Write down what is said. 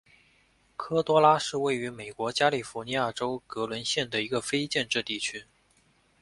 科多拉是位于美国加利福尼亚州格伦县的一个非建制地区。